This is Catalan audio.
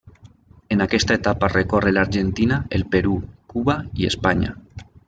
En aquesta etapa recorre l'Argentina, el Perú, Cuba i Espanya.